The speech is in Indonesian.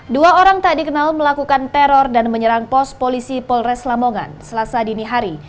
dua orang tak dikenal melakukan teror dan menyerang pos polisi polres lamongan selasa dini hari